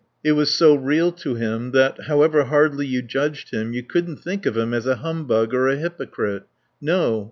It was so real to him that, however hardly you judged him, you couldn't think of him as a humbug or a hypocrite.... No.